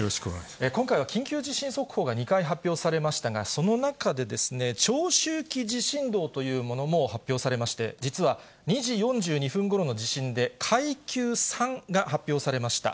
今回は緊急地震速報が２回発表されましたが、その中で、長周期地震動というものも発表されまして、実は、２時４２分ころの地震で、階級３が発表されました。